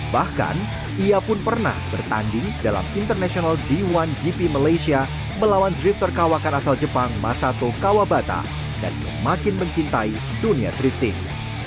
bahkan ia pun pernah bertanding dalam international d satu gp malaysia melawan drifter kawakan asal jepang masato kawabata dan semakin mencintai dunia drifting